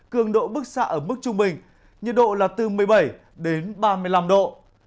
cường độ bức xạ ở mức trung bình nhiệt độ là từ một mươi bảy đến ba mươi năm độ